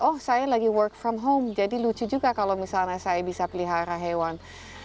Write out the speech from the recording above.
oh saya lagi work from home jadi lucu juga kalau misalnya saya bisa pelihara hewan